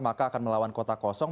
maka akan melawan kota kosong